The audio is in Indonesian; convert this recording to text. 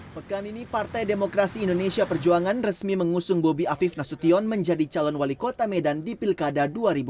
pekan ini partai demokrasi indonesia perjuangan resmi mengusung bobi afif nasution menjadi calon wali kota medan di pilkada dua ribu dua puluh